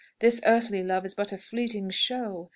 This earthly love is but a fleeting show.